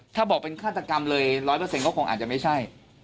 ถ้าบอกเป็นฆาตกรรมเลย๑๐๐ก็คงอาจจะไม่ใช่